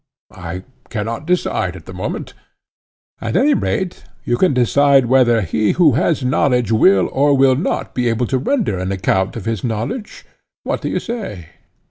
I cannot decide at the moment. At any rate you can decide whether he who has knowledge will or will not be able to render an account of his knowledge? What do you say?